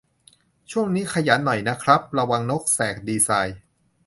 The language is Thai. ช่วงนี้ขยันหน่อยนะครับ ระวัง นกแสกดีไซน์